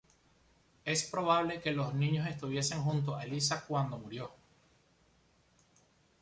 Es probable que los niños estuviesen junto a Eliza cuando murió.